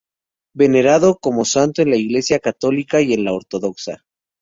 Venerado como santo en la Iglesia católica y en la ortodoxa.